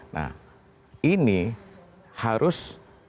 nah ini harus